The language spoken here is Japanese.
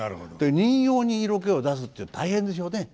人形に色気を出すって大変ですよね。